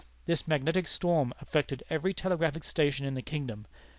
This magnetic storm affected every telegraphic station in the kingdom.